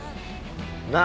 なあ？